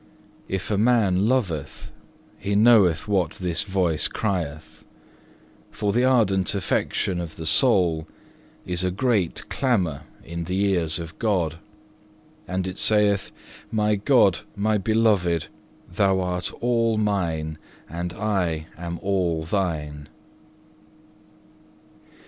If a man loveth, he knoweth what this voice crieth. For the ardent affection of the soul is a great clamour in the ears of God, and it saith: My God, my Beloved! Thou art all mine, and I am all Thine.